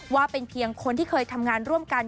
ว่าเป็นเพียงคนที่เคยทำงานร่วมกัน